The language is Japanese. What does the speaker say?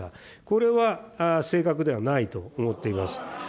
これは、正確ではないと思っています。